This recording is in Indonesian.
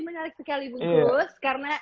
menarik sekali bungkus karena